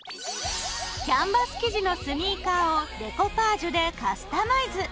キャンバス生地のスニーカーをデコパージュでカスタマイズ。